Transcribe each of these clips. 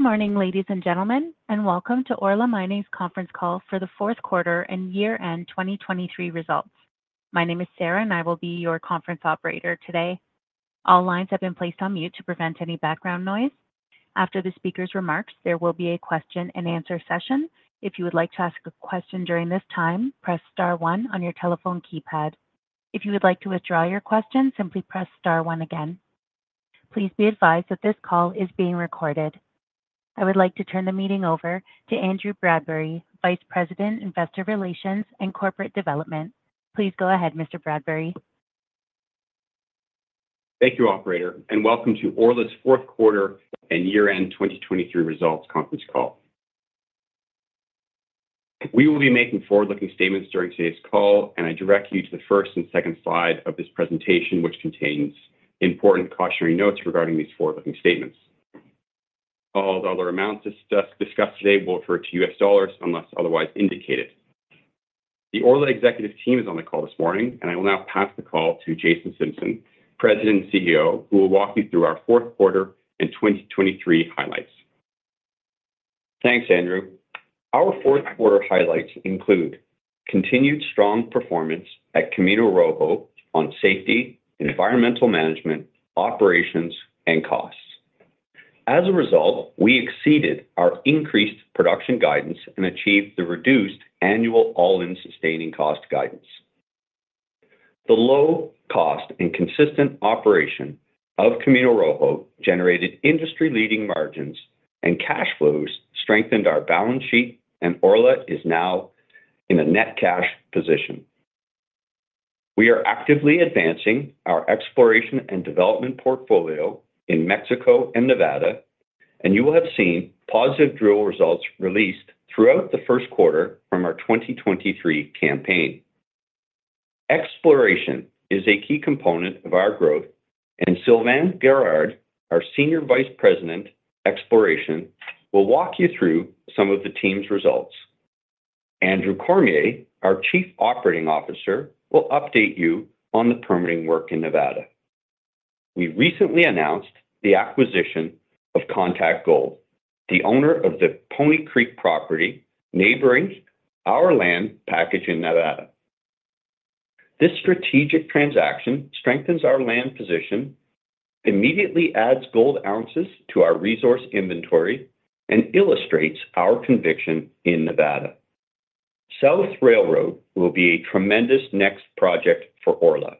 Good morning, ladies and gentlemen, and welcome to Orla Mining's conference call for the fourth quarter and year-end 2023 results. My name is Sarah, and I will be your conference operator today. All lines have been placed on mute to prevent any background noise. After the speaker's remarks, there will be a question-and-answer session. If you would like to ask a question during this time, press star 1 on your telephone keypad. If you would like to withdraw your question, simply press star 1 again. Please be advised that this call is being recorded. I would like to turn the meeting over to Andrew Bradbury, Vice President, Investor Relations and Corporate Development. Please go ahead, Mr. Bradbury. Thank you, Operator, and welcome to Orla's fourth quarter and year-end 2023 results conference call. We will be making forward-looking statements during today's call, and I direct you to the first and second slide of this presentation, which contains important cautionary notes regarding these forward-looking statements. All the other amounts discussed today will refer to U.S. dollars unless otherwise indicated. The Orla executive team is on the call this morning, and I will now pass the call to Jason Simpson, President and CEO, who will walk you through our fourth quarter and 2023 highlights. Thanks, Andrew. Our fourth quarter highlights include continued strong performance at Camino Rojo on safety, environmental management, operations, and costs. As a result, we exceeded our increased production guidance and achieved the reduced annual all-in sustaining cost guidance. The low cost and consistent operation of Camino Rojo generated industry-leading margins, and cash flows strengthened our balance sheet, and Orla is now in a net cash position. We are actively advancing our exploration and development portfolio in Mexico and Nevada, and you will have seen positive drill results released throughout the first quarter from our 2023 campaign. Exploration is a key component of our growth, and Sylvain Guerard, our Senior Vice President, Exploration, will walk you through some of the team's results. Andrew Cormier, our Chief Operating Officer, will update you on the permitting work in Nevada. We recently announced the acquisition of Contact Gold, the owner of the Pony Creek property neighboring our land package in Nevada. This strategic transaction strengthens our land position, immediately adds gold ounces to our resource inventory, and illustrates our conviction in Nevada. South Railroad will be a tremendous next project for Orla.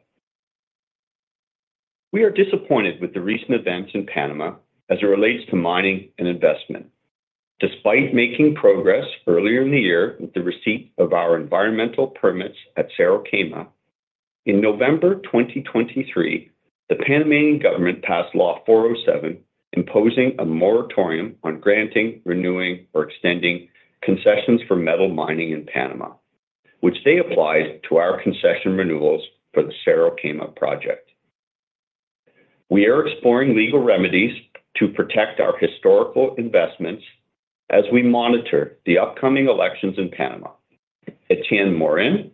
We are disappointed with the recent events in Panama as it relates to mining and investment. Despite making progress earlier in the year with the receipt of our environmental permits at Cerro Quema, in November 2023, the Panamanian government passed Law 407 imposing a moratorium on granting, renewing, or extending concessions for metal mining in Panama, which they applied to our concession renewals for the Cerro Quema project. We are exploring legal remedies to protect our historical investments as we monitor the upcoming elections in Panama. Etienne Morin,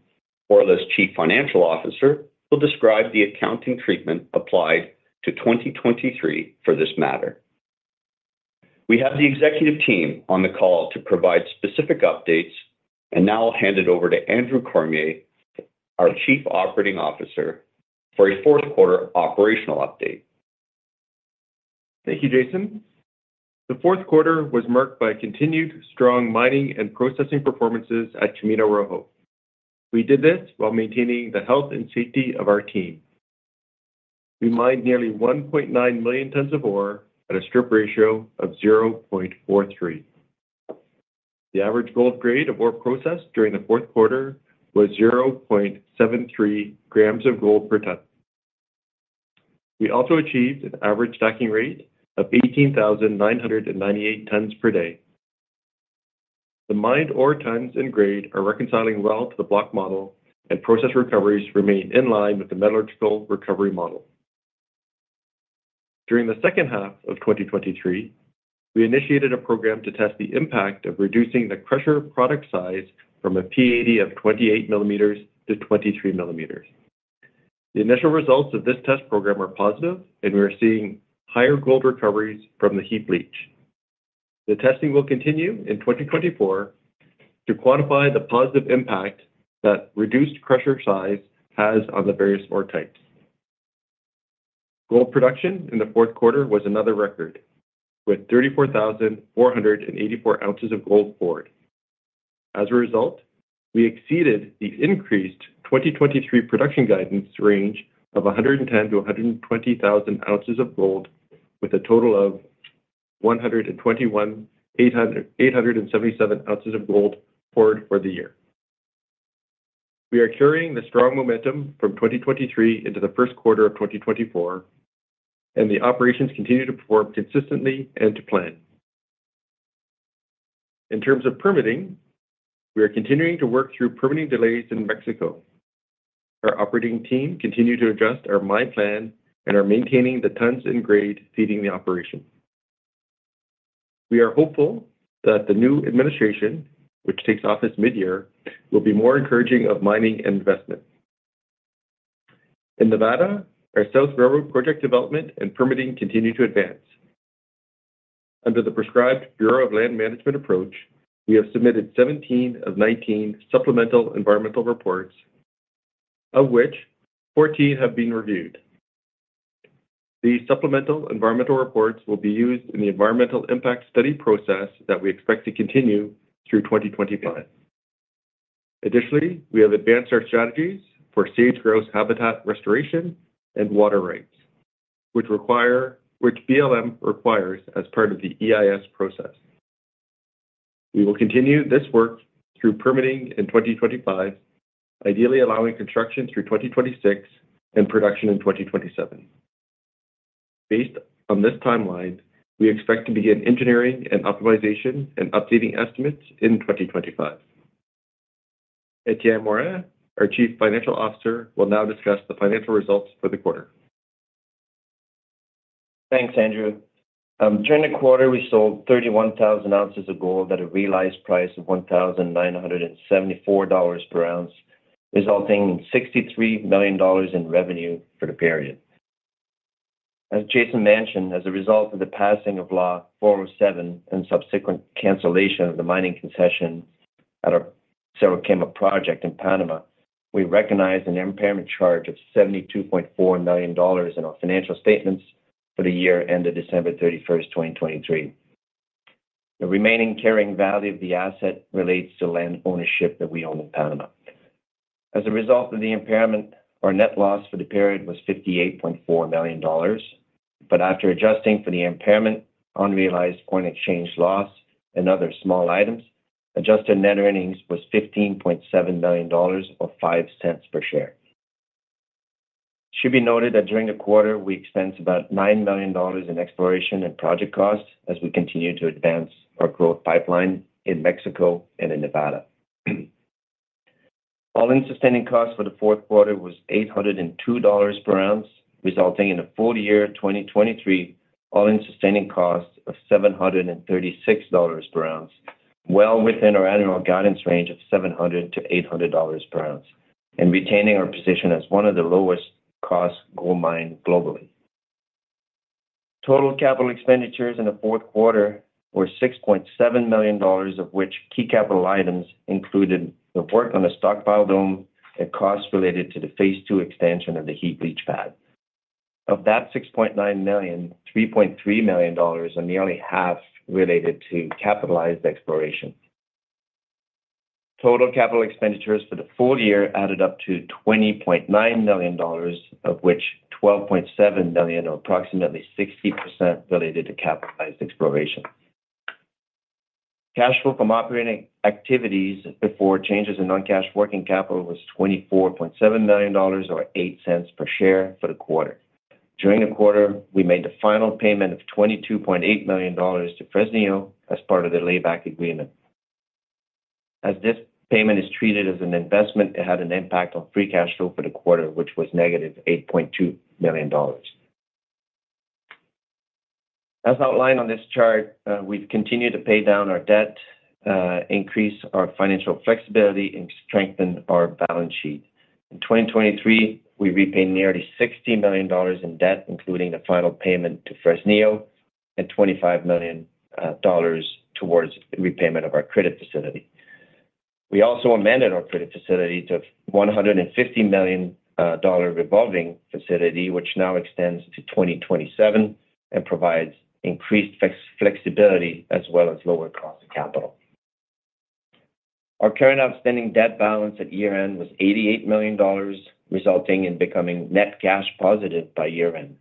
Orla's Chief Financial Officer, will describe the accounting treatment applied to 2023 for this matter. We have the executive team on the call to provide specific updates, and now I'll hand it over to Andrew Cormier, our Chief Operating Officer, for a fourth quarter operational update. Thank you, Jason. The fourth quarter was marked by continued strong mining and processing performances at Camino Rojo. We did this while maintaining the health and safety of our team. We mined nearly 1.9 million tons of ore at a strip ratio of 0.43. The average gold grade of ore processed during the fourth quarter was 0.73 grams of gold per ton. We also achieved an average stacking rate of 18,998 tons per day. The mined ore tons and grade are reconciling well to the block model, and process recoveries remain in line with the metallurgical recovery model. During the second half of 2023, we initiated a program to test the impact of reducing the crusher product size from a P80 mm to 23 mm. The initial results of this test program are positive, and we are seeing higher gold recoveries from the heap leach. The testing will continue in 2024 to quantify the positive impact that reduced crusher size has on the various ore types. Gold production in the fourth quarter was another record, with 34,484 ounces of gold poured. As a result, we exceeded the increased 2023 production guidance range of 110,000-120,000 ounces of gold, with a total of 121,877 ounces of gold poured for the year. We are curating the strong momentum from 2023 into the first quarter of 2024, and the operations continue to perform consistently and to plan. In terms of permitting, we are continuing to work through permitting delays in Mexico. Our operating team continued to adjust our mine plan and are maintaining the tons and grade feeding the operation. We are hopeful that the new administration, which takes office mid-year, will be more encouraging of mining and investment. In Nevada, our South Railroad project development and permitting continue to advance. Under the prescribed Bureau of Land Management approach, we have submitted 17 of 19 supplemental environmental reports, of which 14 have been reviewed. These supplemental environmental reports will be used in the environmental impact study process that we expect to continue through 2025. Additionally, we have advanced our strategies for sage-grouse habitat restoration and water rights, which BLM requires as part of the EIS process. We will continue this work through permitting in 2025, ideally allowing construction through 2026 and production in 2027. Based on this timeline, we expect to begin engineering and optimization and updating estimates in 2025. Etienne Morin, our Chief Financial Officer, will now discuss the financial results for the quarter. Thanks, Andrew. During the quarter, we sold 31,000 ounces of gold at a realized price of $1,974 per ounce, resulting in $63 million in revenue for the period. As Jason mentioned, as a result of the passing of Law 407 and subsequent cancellation of the mining concession at our Cerro Quema project in Panama, we recognized an impairment charge of $72.4 million in our financial statements for the year ended December 31st, 2023. The remaining carrying value of the asset relates to land ownership that we own in Panama. As a result of the impairment, our net loss for the period was $58.4 million, but after adjusting for the impairment, realized foreign exchange loss and other small items, adjusted net earnings was $15.7 million or $0.05 per share. It should be noted that during the quarter, we expense about $9 million in exploration and project costs as we continue to advance our growth pipeline in Mexico and in Nevada. All-in sustaining costs for the fourth quarter was $802 per ounce, resulting in a full-year 2023 all-in sustaining cost of $736 per ounce, well within our annual guidance range of $700-$800 per ounce, and retaining our position as one of the lowest-cost gold mines globally. Total capital expenditures in the fourth quarter were $6.7 million, of which key capital items included the work on the stockpile dome and costs related to the phase two extension of the heap leach pad. Of that $6.9 million, $3.3 million are nearly half related to capitalized exploration. Total capital expenditures for the full year added up to $20.9 million, of which $12.7 million or approximately 60% related to capitalized exploration. Cash flow from operating activities before changes in non-cash working capital was $24.7 million or $0.08 per share for the quarter. During the quarter, we made the final payment of $22.8 million to Fresnillo as part of the layback agreement. As this payment is treated as an investment, it had an impact on free cash flow for the quarter, which was negative $8.2 million. As outlined on this chart, we've continued to pay down our debt, increase our financial flexibility, and strengthen our balance sheet. In 2023, we repaid nearly $60 million in debt, including the final payment to Fresnillo and $25 million towards repayment of our credit facility. We also amended our credit facility to a $150 million revolving facility, which now extends to 2027 and provides increased flexibility as well as lower cost of capital. Our current outstanding debt balance at year-end was $88 million, resulting in becoming net cash positive by year-end.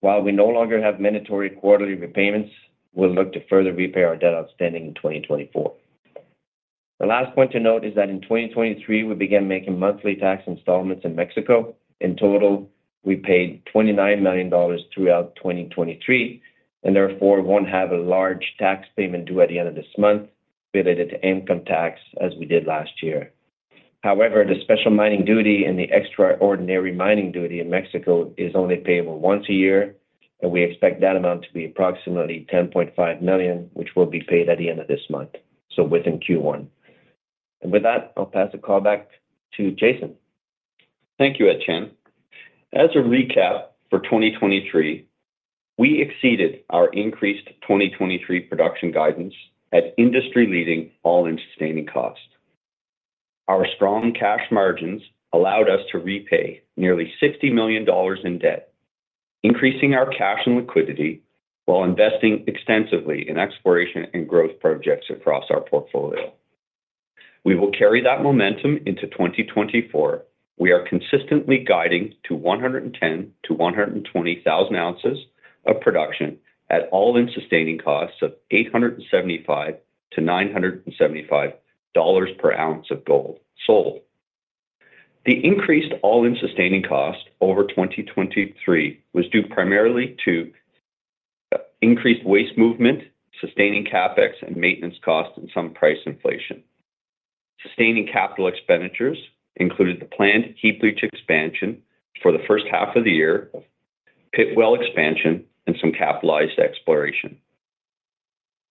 While we no longer have mandatory quarterly repayments, we'll look to further repay our debt outstanding in 2024. The last point to note is that in 2023, we began making monthly tax installments in Mexico. In total, we paid $29 million throughout 2023, and therefore won't have a large tax payment due at the end of this month related to income tax as we did last year. However, the Special Mining Duty and the Extraordinary Mining Duty in Mexico is only payable once a year, and we expect that amount to be approximately $10.5 million, which will be paid at the end of this month, so within Q1. And with that, I'll pass the call back to Jason. Thank you, Etienne. As a recap for 2023, we exceeded our increased 2023 production guidance at industry-leading all-in sustaining costs. Our strong cash margins allowed us to repay nearly $60 million in debt, increasing our cash and liquidity while investing extensively in exploration and growth projects across our portfolio. We will carry that momentum into 2024. We are consistently guiding to 110,000-120,000 ounces of production at all-in sustaining costs of $875-$975 per ounce of gold sold. The increased all-in sustaining cost over 2023 was due primarily to increased waste movement, sustaining CapEx and maintenance costs, and some price inflation. Sustaining capital expenditures included the planned heap leach expansion for the first half of the year, pit wall expansion, and some capitalized exploration.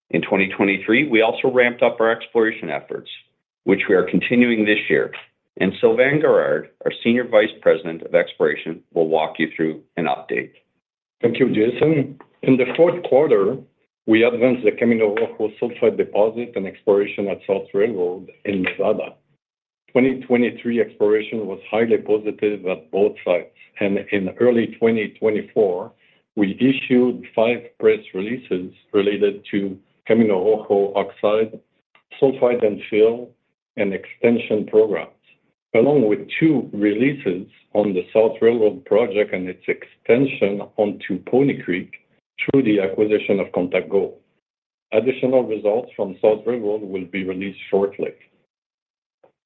In 2023, we also ramped up our exploration efforts, which we are continuing this year. Sylvain Guerard, our Senior Vice President of Exploration, will walk you through an update. Thank you, Jason. In the fourth quarter, we advanced the Camino Rojo sulfide deposit and exploration at South Railroad in Nevada. 2023 exploration was highly positive at both sites. In early 2024, we issued 5 press releases related to Camino Rojo oxide, sulfide infill, and extension programs, along with 2 releases on the South Railroad project and its extension onto Pony Creek through the acquisition of Contact Gold. Additional results from South Railroad will be released shortly.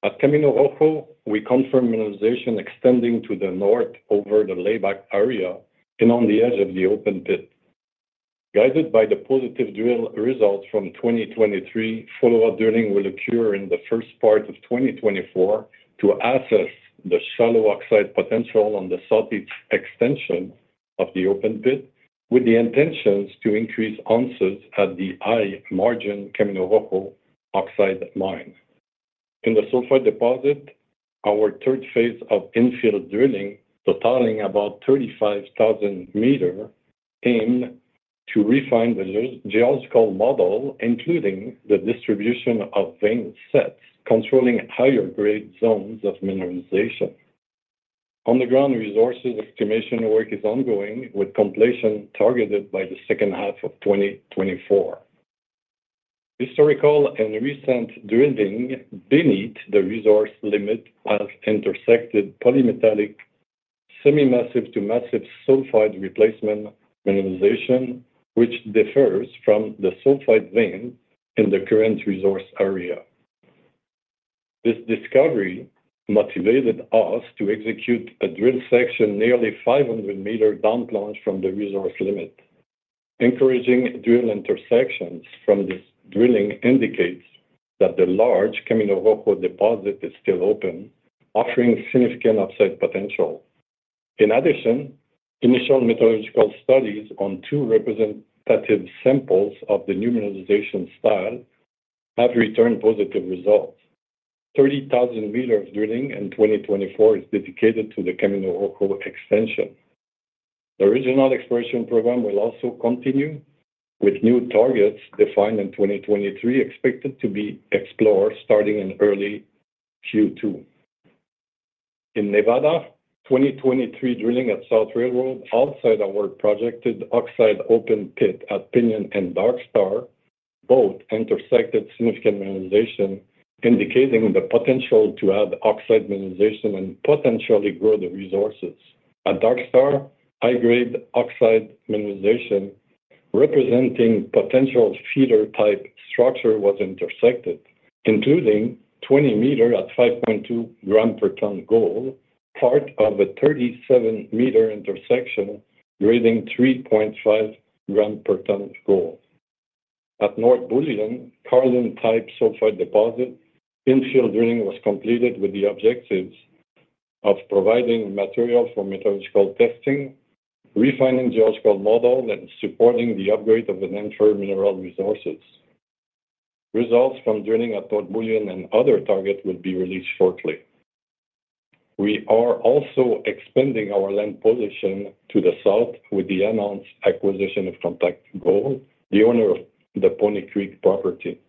At Camino Rojo, we confirmed mineralization extending to the north over the layback area and on the edge of the open pit. Guided by the positive drill results from 2023, follow-up drilling will occur in the first part of 2024 to assess the shallow oxide potential on the southeast extension of the open pit with the intentions to increase ounces at the high-margin Camino Rojo oxide mine. In the sulfide deposit, our third phase of infield drilling, totaling about 35,000 meters, aimed to refine the geological model, including the distribution of vein sets controlling higher-grade zones of mineralization. Underground resources estimation work is ongoing, with completion targeted by the second half of 2024. Historical and recent drilling beneath the resource limit has intersected polymetallic semi-massive to massive sulfide replacement mineralization, which differs from the sulfide vein in the current resource area. This discovery motivated us to execute a drill section nearly 500-meter downplunge from the resource limit. Encouraging drill intersections from this drilling indicates that the large Camino Rojo deposit is still open, offering significant upside potential. In addition, initial metallurgical studies on two representative samples of the new mineralization style have returned positive results. 30,000 meters drilling in 2024 is dedicated to the Camino Rojo extension. The regional exploration program will also continue, with new targets defined in 2023 expected to be explored starting in early Q2. In Nevada, 2023 drilling at South Railroad outside our projected oxide open pit at Pinion and Dark Star both intersected significant mineralization, indicating the potential to add oxide mineralization and potentially grow the resources. At Dark Star, high-grade oxide mineralization representing potential feeder-type structure was intersected, including 20-meter at 5.2 grams per ton gold, part of a 37-meter intersection grading 3.5 grams per ton gold. At North Bullion, Carlin-type sulfide deposit, infield drilling was completed with the objectives of providing material for metallurgical testing, refining geological model, and supporting the upgrade of the Inferred mineral resources. Results from drilling at North Bullion and other targets will be released shortly. We are also expanding our land position to the south with the announced acquisition of Contact Gold, the owner of the Pony Creek property.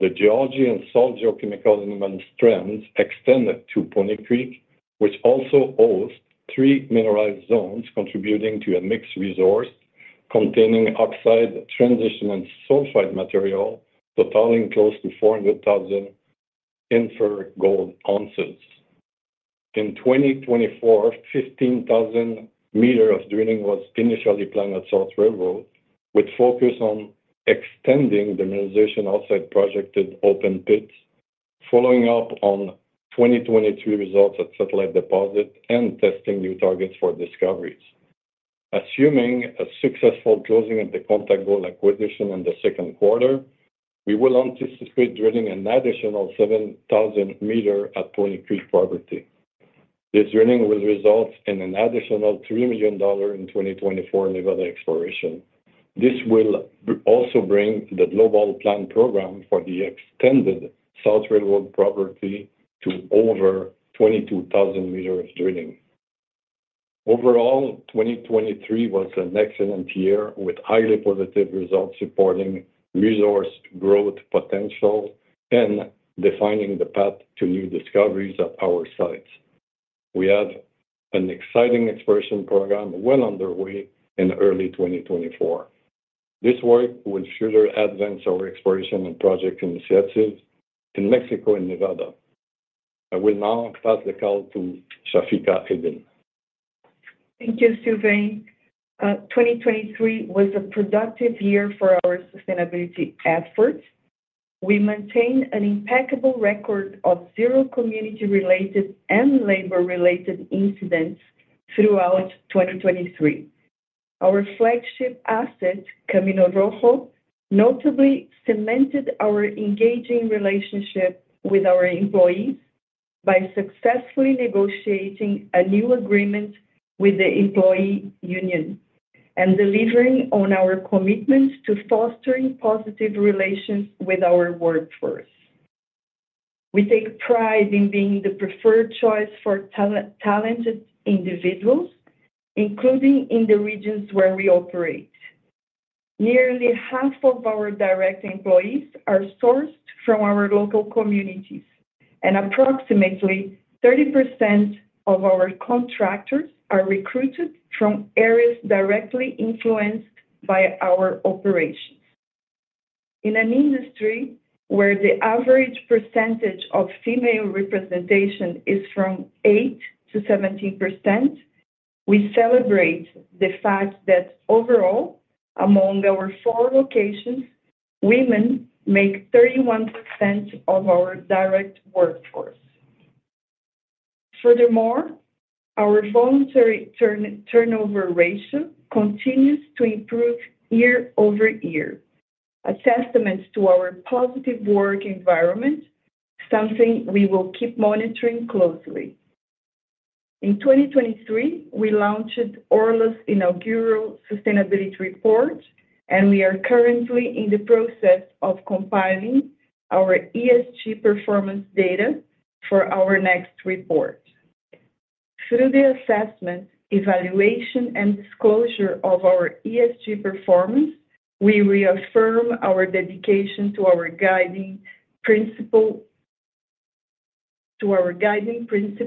The geology and soil geochemical and mineral trends extended to Pony Creek, which also hosts three mineralized zones contributing to a mixed resource containing oxide transition and sulfide material, totaling close to 400,000 inferred gold ounces. In 2024, 15,000 meters of drilling was initially planned at South Railroad, with focus on extending the mineralization outside projected open pits, following up on 2023 results at satellite deposit, and testing new targets for discoveries. Assuming a successful closing of the Contact Gold acquisition in the second quarter, we will anticipate drilling an additional 7,000 meters at Pony Creek property. This drilling will result in an additional $3 million in 2024 Nevada exploration. This will also bring the global plan program for the extended South Railroad property to over 22,000 meters of drilling. Overall, 2023 was an excellent year with highly positive results supporting resource growth potential and defining the path to new discoveries at our sites. We have an exciting exploration program well underway in early 2024. This work will further advance our exploration and project initiatives in Mexico and Nevada. I will now pass the call to Chafika Eddine. Thank you, Sylvain. 2023 was a productive year for our sustainability efforts. We maintain an impeccable record of zero community-related and labor-related incidents throughout 2023. Our flagship asset, Camino Rojo, notably cemented our engaging relationship with our employees by successfully negotiating a new agreement with the employee union and delivering on our commitment to fostering positive relations with our workforce. We take pride in being the preferred choice for talented individuals, including in the regions where we operate. Nearly half of our direct employees are sourced from our local communities, and approximately 30% of our contractors are recruited from areas directly influenced by our operations. In an industry where the average percentage of female representation is from 8%-17%, we celebrate the fact that overall, among our four locations, women make 31% of our direct workforce. Furthermore, our voluntary turnover ratio continues to improve year-over-year, a testament to our positive work environment, something we will keep monitoring closely. In 2023, we launched Orla's inaugural sustainability report, and we are currently in the process of compiling our ESG performance data for our next report. Through the assessment, evaluation, and disclosure of our ESG performance, we reaffirm our dedication to our guiding principle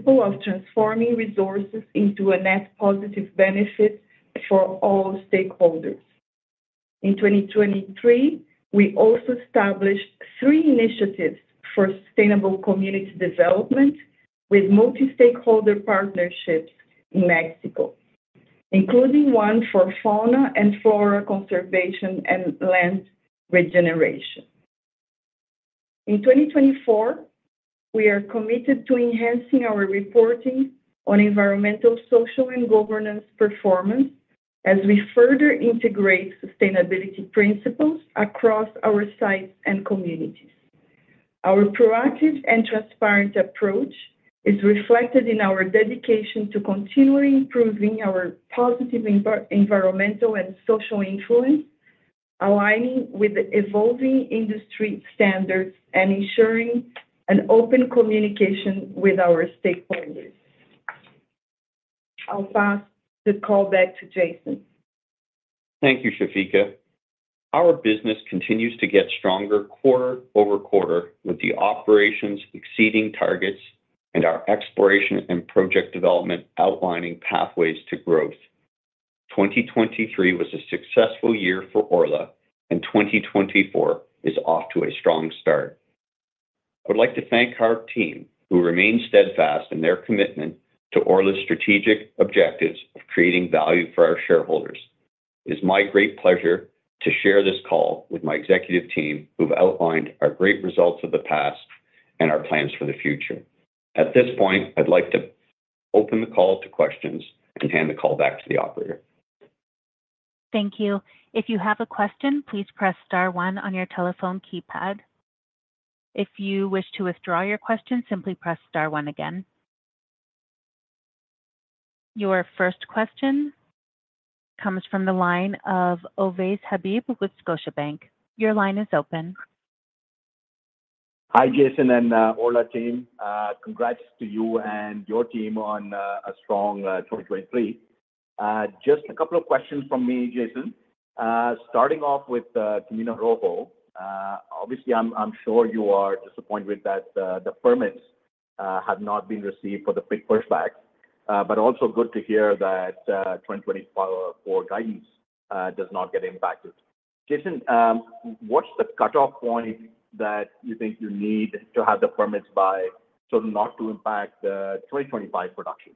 of transforming resources into a net positive benefit for all stakeholders. In 2023, we also established three initiatives for sustainable community development with multi-stakeholder partnerships in Mexico, including one for fauna and flora conservation and land regeneration. In 2024, we are committed to enhancing our reporting on environmental, social, and governance performance as we further integrate sustainability principles across our sites and communities. Our proactive and transparent approach is reflected in our dedication to continually improving our positive environmental and social influence, aligning with evolving industry standards and ensuring an open communication with our stakeholders. I'll pass the call back to Jason. Thank you, Chafika. Our business continues to get stronger quarter-over-quarter, with the operations exceeding targets and our exploration and project development outlining pathways to growth. 2023 was a successful year for Orla, and 2024 is off to a strong start. I would like to thank our team who remains steadfast in their commitment to Orla's strategic objectives of creating value for our shareholders. It is my great pleasure to share this call with my executive team who've outlined our great results of the past and our plans for the future. At this point, I'd like to open the call to questions and hand the call back to the operator. Thank you. If you have a question, please press star one on your telephone keypad. If you wish to withdraw your question, simply press star one again. Your first question comes from the line of Ovais Habib with Scotiabank. Your line is open. Hi, Jason, and Orla team. Congrats to you and your team on a strong 2023. Just a couple of questions from me, Jason. Starting off with Camino Rojo, obviously, I'm sure you are disappointed that the permits have not been received for the pit pushbacks, but also good to hear that 2024 guidance does not get impacted. Jason, what's the cutoff point that you think you need to have the permits by so not to impact the 2025 production?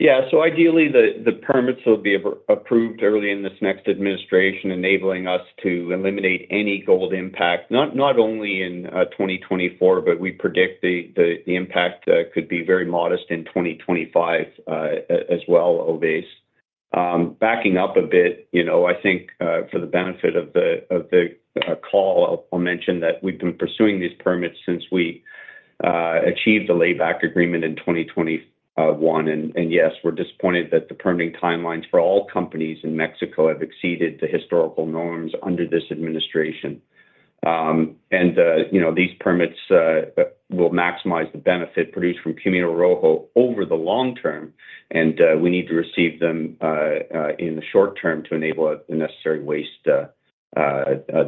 Yeah. So ideally, the permits will be approved early in this next administration, enabling us to eliminate any gold impact, not only in 2024, but we predict the impact could be very modest in 2025 as well, Ovais. Backing up a bit, I think for the benefit of the call, I'll mention that we've been pursuing these permits since we achieved the layback agreement in 2021. Yes, we're disappointed that the permitting timelines for all companies in Mexico have exceeded the historical norms under this administration. These permits will maximize the benefit produced from Camino Rojo over the long term, and we need to receive them in the short term to enable the necessary waste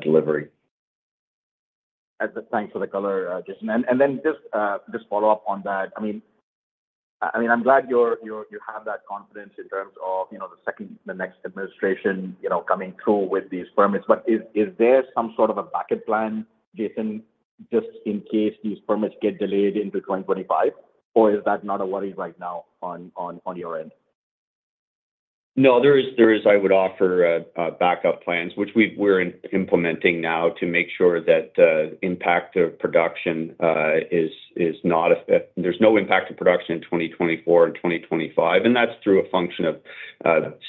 delivery. Thanks for the color, Jason. And then just follow up on that. I mean, I'm glad you have that confidence in terms of the next administration coming through with these permits. But is there some sort of a backup plan, Jason, just in case these permits get delayed into 2025, or is that not a worry right now on your end? No, there is. I would offer backup plans, which we're implementing now to make sure that there's no impact to production in 2024 and 2025. And that's through a function of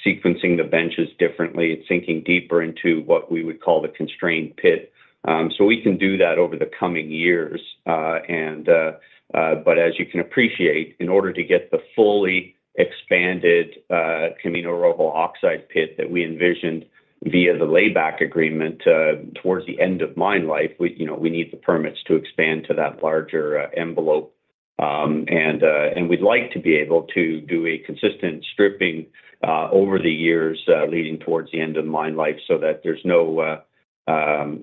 sequencing the benches differently and sinking deeper into what we would call the constrained pit. So we can do that over the coming years. But as you can appreciate, in order to get the fully expanded Camino Rojo oxide pit that we envisioned via the layback agreement towards the end of mine life, we need the permits to expand to that larger envelope. And we'd like to be able to do a consistent stripping over the years leading towards the end of mine life so that there's no cash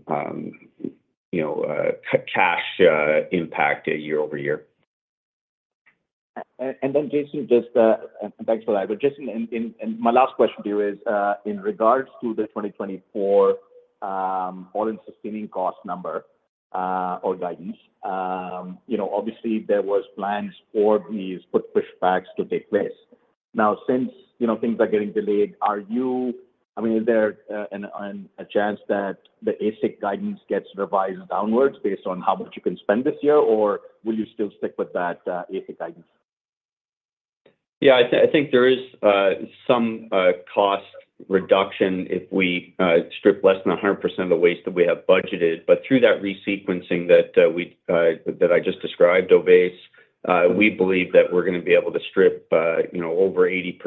impact year over year. Then, Jason, just thanks for that. But Jason, my last question to you is in regards to the 2024 all-in sustaining cost number or guidance, obviously, there were plans for these pit pushbacks to take place. Now, since things are getting delayed, are you, I mean, is there a chance that the AISC guidance gets revised downwards based on how much you can spend this year, or will you still stick with that AISC guidance? Yeah, I think there is some cost reduction if we strip less than 100% of the waste that we have budgeted. But through that resequencing that I just described, Ovais, we believe that we're going to be able to strip over 80%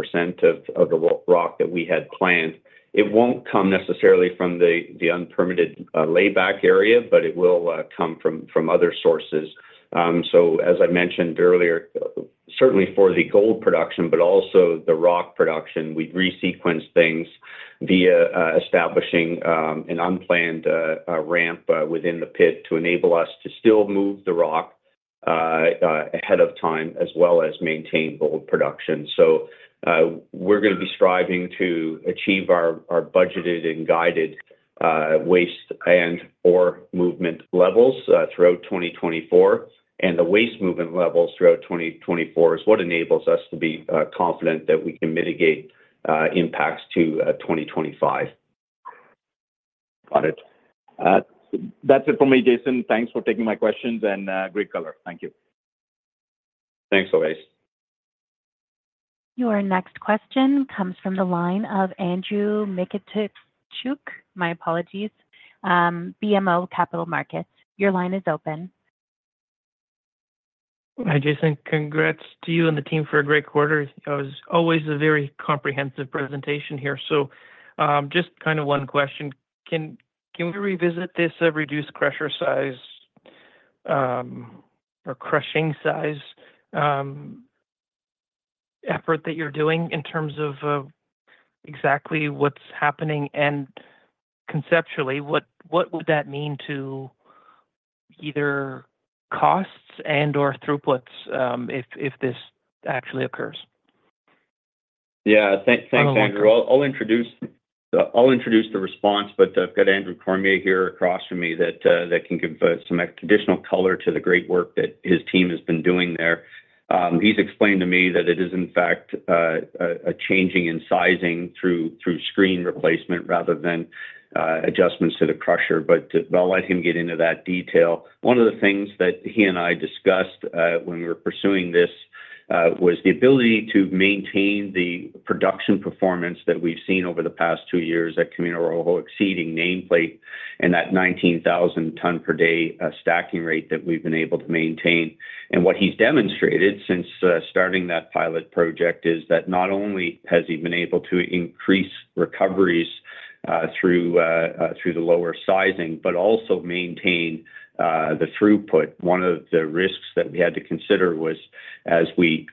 of the rock that we had planned. It won't come necessarily from the unpermitted layback area, but it will come from other sources. So as I mentioned earlier, certainly for the gold production, but also the rock production, we'd resequence things via establishing an unplanned ramp within the pit to enable us to still move the rock ahead of time as well as maintain gold production. So we're going to be striving to achieve our budgeted and guided waste and/or movement levels throughout 2024. And the waste movement levels throughout 2024 is what enables us to be confident that we can mitigate impacts to 2025. Got it. That's it for me, Jason. Thanks for taking my questions and great color. Thank you. Thanks, Ovais. Your next question comes from the line of Andrew Mikitchook, my apologies, BMO Capital Markets. Your line is open. Hi, Jason. Congrats to you and the team for a great quarter. It was always a very comprehensive presentation here. So just kind of one question. Can we revisit this reduced crusher size or crushing size effort that you're doing in terms of exactly what's happening and conceptually, what would that mean to either costs and/or throughputs if this actually occurs? Yeah, thanks, Andrew. I'll introduce the response, but I've got Andrew Cormier here across from me that can give some additional color to the great work that his team has been doing there. He's explained to me that it is, in fact, a change in sizing through screen replacement rather than adjustments to the crusher. But I'll let him get into that detail. One of the things that he and I discussed when we were pursuing this was the ability to maintain the production performance that we've seen over the past two years at Camino Rojo exceeding nameplate and that 19,000-ton per day stacking rate that we've been able to maintain. And what he's demonstrated since starting that pilot project is that not only has he been able to increase recoveries through the lower sizing, but also maintain the throughput. One of the risks that we had to consider was as we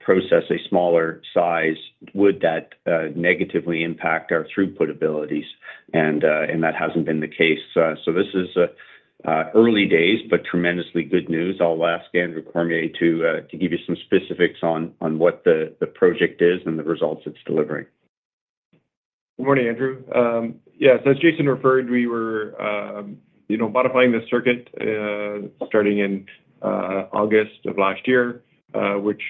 process a smaller size, would that negatively impact our throughput abilities? That hasn't been the case. This is early days, but tremendously good news. I'll ask Andrew Cormier to give you some specifics on what the project is and the results it's delivering. Good morning, Andrew. Yeah, so as Jason referred, we were modifying the circuit starting in August of last year, which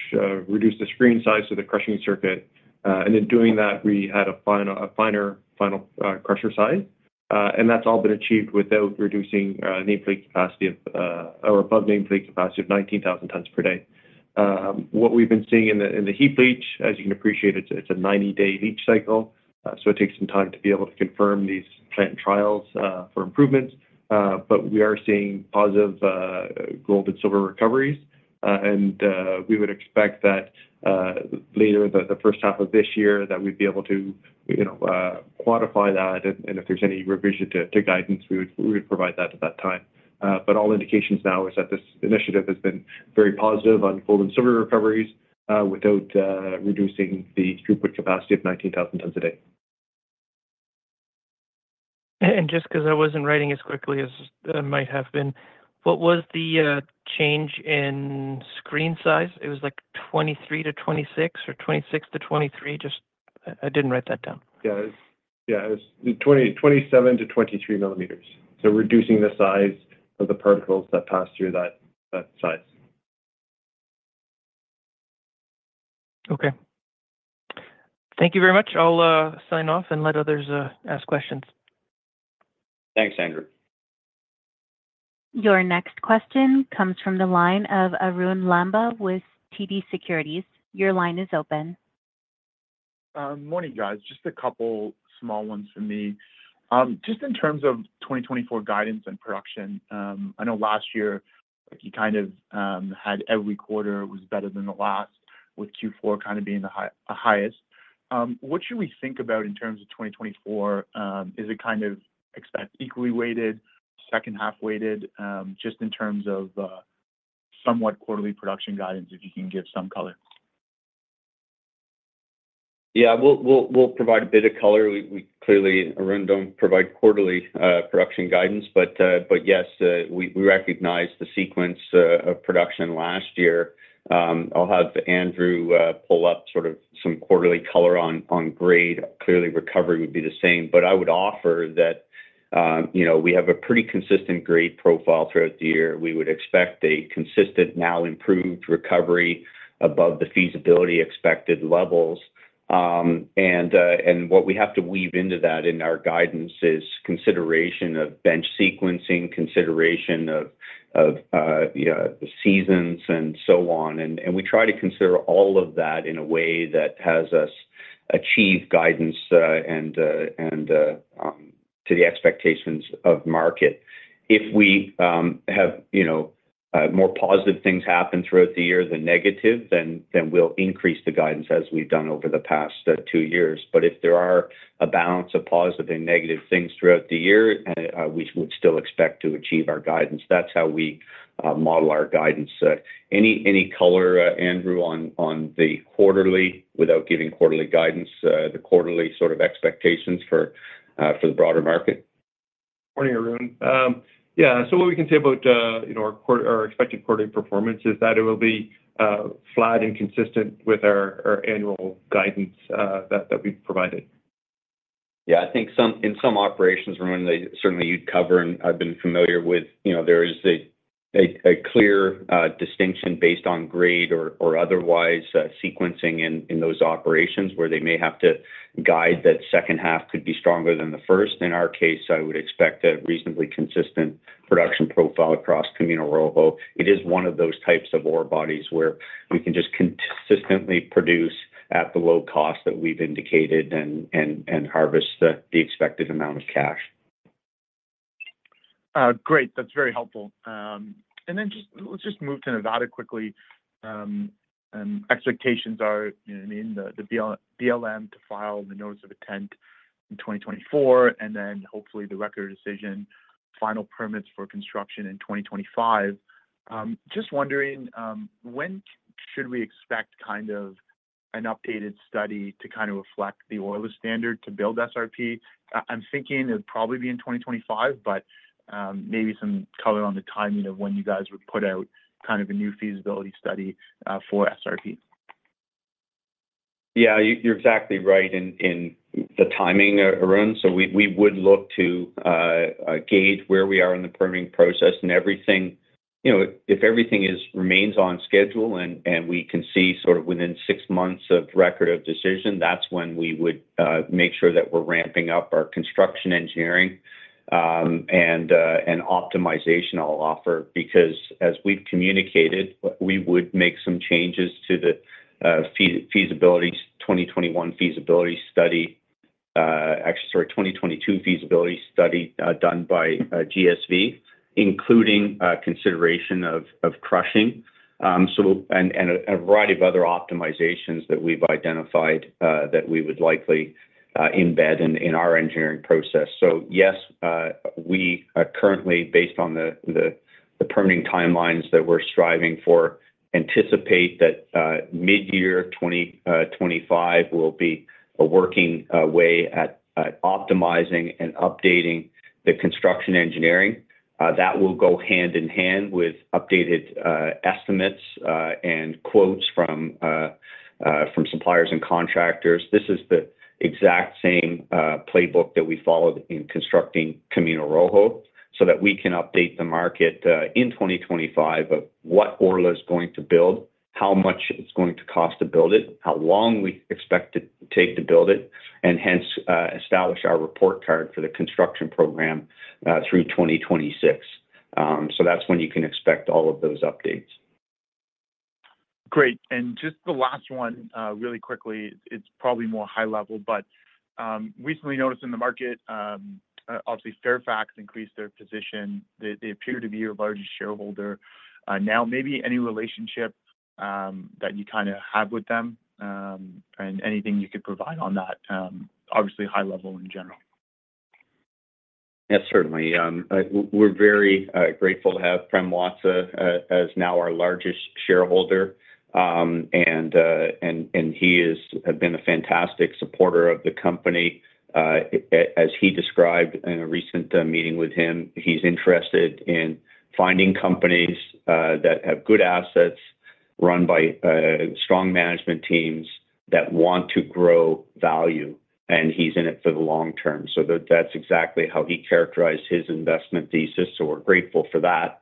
reduced the screen size to the crushing circuit. And in doing that, we had a finer crusher size. And that's all been achieved without reducing nameplate capacity or above nameplate capacity of 19,000 tons per day. What we've been seeing in the heap leach, as you can appreciate, it's a 90-day leach cycle. So it takes some time to be able to confirm these plant trials for improvements. But we are seeing positive gold and silver recoveries. And we would expect that later in the first half of this year, that we'd be able to quantify that. And if there's any revision to guidance, we would provide that at that time. But all indications now is that this initiative has been very positive on gold and silver recoveries without reducing the throughput capacity of 19,000 tons a day. Just because I wasn't writing as quickly as I might have been, what was the change in screen size? It was like 23-26 or 26-23. I didn't write that down. Yeah, it was 27-23 mm. So reducing the size of the particles that pass through that size. Okay. Thank you very much. I'll sign off and let others ask questions. Thanks, Andrew. Your next question comes from the line of Arun Lamba with TD Securities. Your line is open. Morning, guys. Just a couple small ones from me. Just in terms of 2024 guidance and production, I know last year, you kind of had every quarter was better than the last, with Q4 kind of being the highest. What should we think about in terms of 2024? Is it kind of expect equally weighted, second-half weighted, just in terms of somewhat quarterly production guidance, if you can give some color? Yeah, we'll provide a bit of color. Clearly, Arun don't provide quarterly production guidance. But yes, we recognize the sequence of production last year. I'll have Andrew pull up sort of some quarterly color on grade. Clearly, recovery would be the same. But I would offer that we have a pretty consistent grade profile throughout the year. We would expect a consistent now improved recovery above the feasibility expected levels. And what we have to weave into that in our guidance is consideration of bench sequencing, consideration of the seasons, and so on. And we try to consider all of that in a way that has us achieve guidance to the expectations of market. If we have more positive things happen throughout the year than negative, then we'll increase the guidance as we've done over the past two years. But if there are a balance of positive and negative things throughout the year, we would still expect to achieve our guidance. That's how we model our guidance. Any color, Andrew, on the quarterly without giving quarterly guidance, the quarterly sort of expectations for the broader market? Morning, Arun. Yeah, so what we can say about our expected quarterly performance is that it will be flat and consistent with our annual guidance that we've provided. Yeah, I think in some operations, Arun, certainly, you'd cover, and I've been familiar with there is a clear distinction based on grade or otherwise sequencing in those operations where they may have to guide that second half could be stronger than the first. In our case, I would expect a reasonably consistent production profile across Camino Rojo. It is one of those types of ore bodies where we can just consistently produce at the low cost that we've indicated and harvest the expected amount of cash. Great. That's very helpful. And then let's just move to Nevada quickly. Expectations are the BLM to file the notice of intent in 2024, and then hopefully, the Record of Decision, final permits for construction in 2025. Just wondering, when should we expect kind of an updated study to kind of reflect the EIS to build SRP? I'm thinking it'd probably be in 2025, but maybe some color on the timing of when you guys would put out kind of a new feasibility study for SRP. Yeah, you're exactly right in the timing, Arun. So we would look to gauge where we are in the permitting process and everything. If everything remains on schedule and we can see sort of within 6 months of record of decision, that's when we would make sure that we're ramping up our construction engineering and optimization effort because, as we've communicated, we would make some changes to the 2021 feasibility study—actually, sorry, 2022 feasibility study done by GSV, including consideration of crushing and a variety of other optimizations that we've identified that we would likely embed in our engineering process. So yes, we currently, based on the permitting timelines that we're striving for, anticipate that mid-year 2025 will be when we get to optimizing and updating the construction engineering. That will go hand in hand with updated estimates and quotes from suppliers and contractors. This is the exact same playbook that we followed in constructing Camino Rojo so that we can update the market in 2025 of what Orla is going to build, how much it's going to cost to build it, how long we expect it to take to build it, and hence establish our report card for the construction program through 2026. So that's when you can expect all of those updates. Great. Just the last one really quickly. It's probably more high-level, but recently noticed in the market, obviously, Fairfax increased their position. They appear to be your largest shareholder now. Maybe any relationship that you kind of have with them and anything you could provide on that, obviously, high-level in general. Yes, certainly. We're very grateful to have Prem Watsa as now our largest shareholder. And he has been a fantastic supporter of the company. As he described in a recent meeting with him, he's interested in finding companies that have good assets, run by strong management teams, that want to grow value. And he's in it for the long term. So that's exactly how he characterized his investment thesis. So we're grateful for that.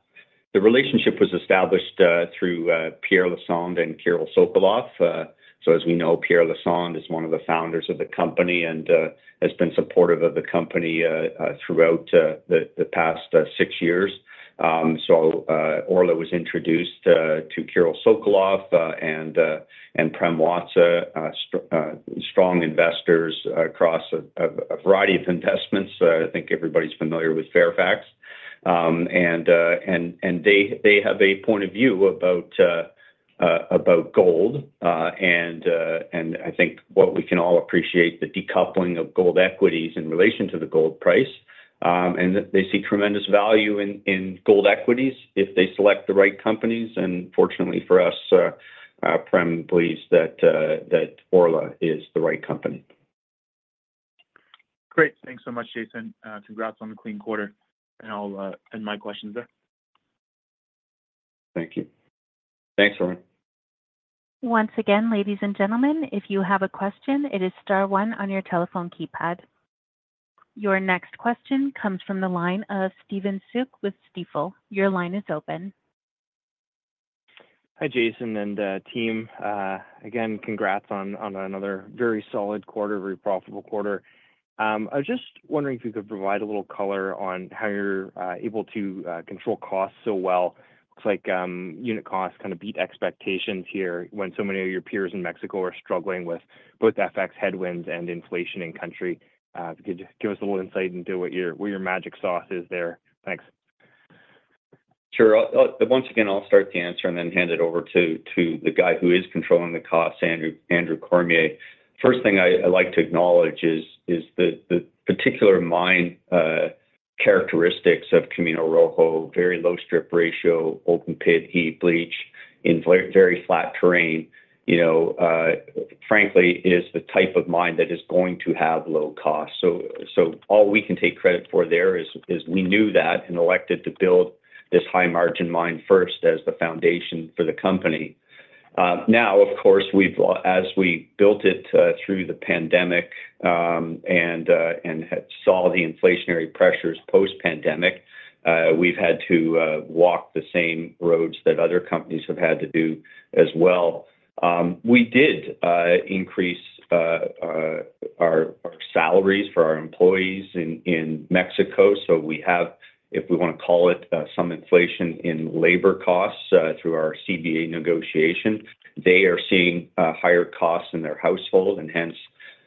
The relationship was established through Pierre Lassonde and Kirill Sokoloff. So as we know, Pierre Lassonde is one of the founders of the company and has been supportive of the company throughout the past six years. So ORLA was introduced to Kirill Sokoloff and Prem Watsa, strong investors across a variety of investments. I think everybody's familiar with Fairfax. And they have a point of view about gold. I think what we can all appreciate, the decoupling of gold equities in relation to the gold price. They see tremendous value in gold equities if they select the right companies. Fortunately for us, Prem believes that ORLA is the right company. Great. Thanks so much, Jason. Congrats on the clean quarter. I'll end my questions there. Thank you. Thanks, Arun. Once again, ladies and gentlemen, if you have a question, it is star one on your telephone keypad. Your next question comes from the line of Stephen Soock with Stifel. Your line is open. Hi, Jason and team. Again, congrats on another very solid quarter, very profitable quarter. I was just wondering if you could provide a little color on how you're able to control costs so well. Looks like unit costs kind of beat expectations here when so many of your peers in Mexico are struggling with both FX headwinds and inflation in-country. If you could give us a little insight into what your magic sauce is there. Thanks. Sure. Once again, I'll start the answer and then hand it over to the guy who is controlling the costs, Andrew Cormier. First thing I'd like to acknowledge is the particular mine characteristics of Camino Rojo, very low strip ratio, open pit, heap leach in very flat terrain, frankly, is the type of mine that is going to have low costs. So all we can take credit for there is we knew that and elected to build this high-margin mine first as the foundation for the company. Now, of course, as we built it through the pandemic and saw the inflationary pressures post-pandemic, we've had to walk the same roads that other companies have had to do as well. We did increase our salaries for our employees in Mexico. So we have, if we want to call it, some inflation in labor costs through our CBA negotiation. They are seeing higher costs in their household. Hence,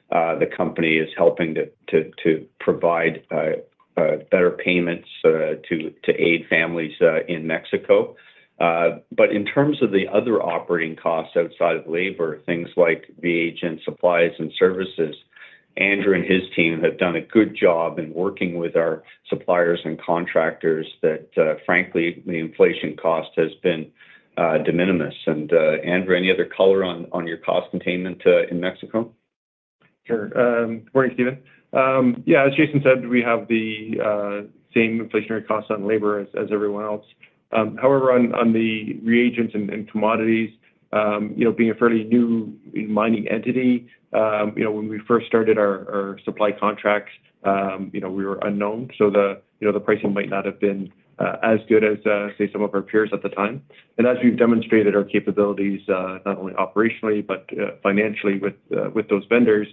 the company is helping to provide better payments to aid families in Mexico. But in terms of the other operating costs outside of labor, things like the reagent supplies and services, Andrew and his team have done a good job in working with our suppliers and contractors that, frankly, the inflation cost has been de minimis. Andrew, any other color on your cost containment in Mexico? Sure. Morning, Stephen. Yeah, as Jason said, we have the same inflationary costs on labor as everyone else. However, on the reagents and commodities, being a fairly new mining entity, when we first started our supply contracts, we were unknown. So the pricing might not have been as good as, say, some of our peers at the time. And as we've demonstrated our capabilities, not only operationally but financially with those vendors,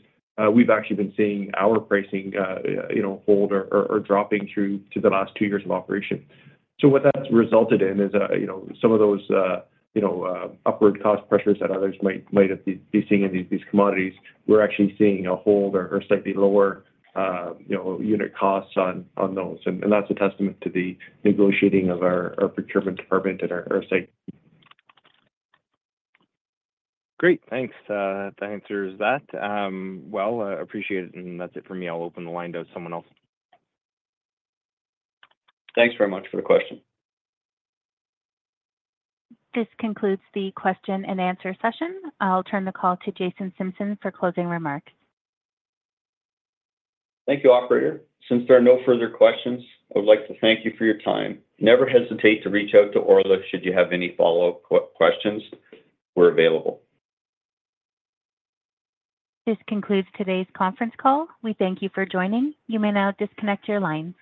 we've actually been seeing our pricing hold or dropping through the last two years of operation. So what that's resulted in is some of those upward cost pressures that others might have been seeing in these commodities, we're actually seeing a hold or slightly lower unit costs on those. And that's a testament to the negotiating of our procurement department and our site. Great. Thanks for answering that. Well, appreciate it. That's it for me. I'll open the line to someone else. Thanks very much for the question. This concludes the question and answer session. I'll turn the call to Jason Simpson for closing remarks. Thank you, operator. Since there are no further questions, I would like to thank you for your time. Never hesitate to reach out to ORLA should you have any follow-up questions. We're available. This concludes today's conference call. We thank you for joining. You may now disconnect your line.